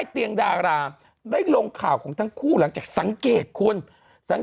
ที่นิ้วนางข้างซ้าย